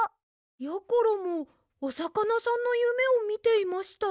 やころもおさかなさんのゆめをみていました。